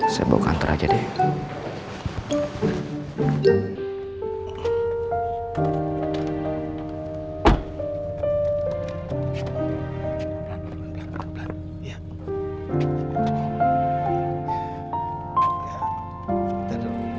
saya bawa kantor aja deh